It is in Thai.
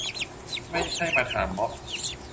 ไม่ใช่มาถามม็อบ